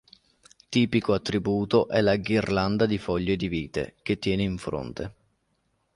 Tipico attributo è la ghirlanda di foglie di vite, che tiene in fronte.